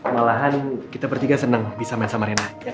malahan kita bertiga senang bisa main sama rena